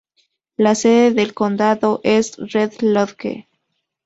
La sede del condado es Red Lodge.